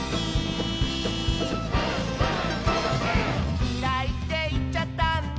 「きらいっていっちゃったんだ」